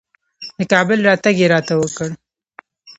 د کابل راتګ یې راته وکړ.